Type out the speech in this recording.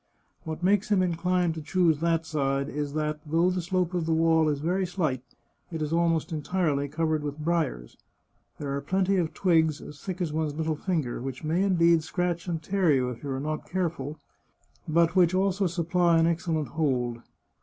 What makes him inclined to choose that side is that, though the slope of the wall is very slight, it is almost entirely covered with briers. There are plenty of twigs as thick as one's little finger, which may indeed scratch and tear you if you are not careful, but which also supply an excellent hold.